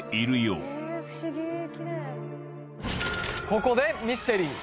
ここでミステリー